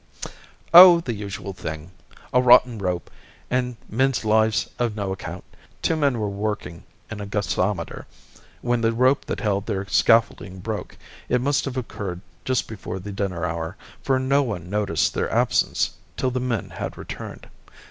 "Oh, the usual thing! A rotten rope and men's lives of no account. Two men were working in a gasometer, when the rope that held their scaffolding broke. It must have occurred just before the dinner hour, for no one noticed their absence till the men had returned.